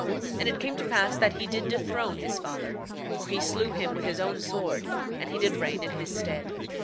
9:27 And it came to pass that he did dethrone his father, for he slew him with his own sword; and he did reign in his stead.